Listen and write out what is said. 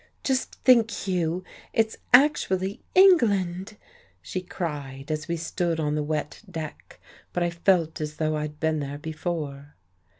"Just think, Hugh, it's actually England!" she cried, as we stood on the wet deck. But I felt as though I'd been there before.